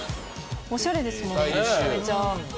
おしゃれですもんねめちゃめちゃ。